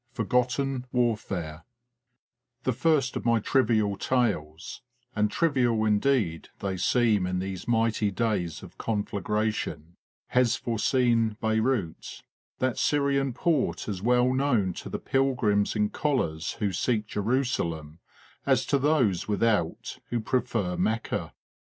FORGOTTEN WARFARE THE first of my trivial tales and trivial indeed they seem in these mighty days of conflagration has for scene Beyrout, that Syrian port as well known to the pilgrims in collars who seek Jerusalem as to those without who prefer Mecca.